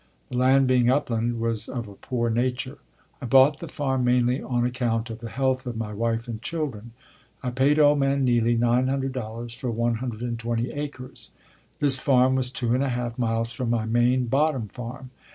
The land being upland was of a poor nature. I bought the farm mainly on account of the health of my wife and children. I paid old man Neely $900 for 120 acres. This farm was two and a half miles from my main bottom farm.